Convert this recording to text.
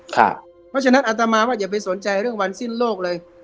เพราะฉะนั้นอัตมาว่าอย่าไปสนใจเรื่องวันสิ้นโลกเลย